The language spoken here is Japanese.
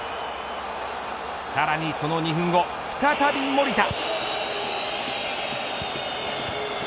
さらにその２分後再び守田。